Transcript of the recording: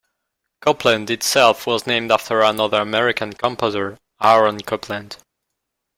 Copland itself was named after another American composer, Aaron Copland.